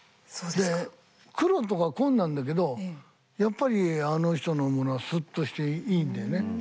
黒とか紺なんだけどやっぱりあの人のものはスッとしていいんだよね。